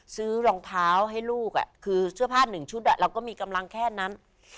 ซื้อรองเท้าให้ลูกคือเสื้อผ้าหนึ่งชุดเราก็มีกำลังแค่นั้น